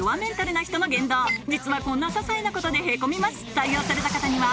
採用された方には